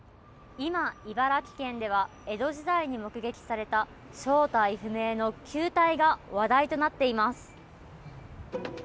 今、茨城県では江戸時代に目撃された正体不明の球体が話題となっています。